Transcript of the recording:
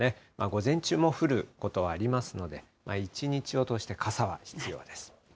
午前中も降ることはありますので、一日を通して傘は必要です。